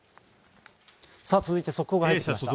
続いて速報が入ってきました。